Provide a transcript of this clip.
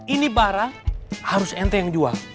ini barang harus ente yang jual